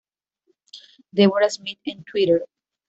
Deborah Smith en Twitter